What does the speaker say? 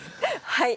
はい。